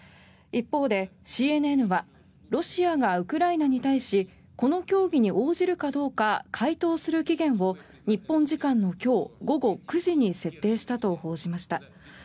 一方でＣＮＮはロシアがウクライナに対しこの協議に応じるかどうか回答する期限を日本時間の今日午後９時に設定したと報じました。